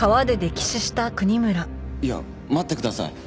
いや待ってください。